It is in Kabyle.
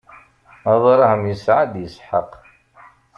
Abṛaham isɛa-d Isḥaq.